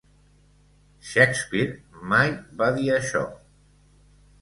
Shakespeare mai va dir això.